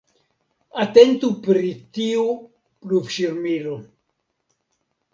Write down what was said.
Atentu pri tiu pluvŝirmilo!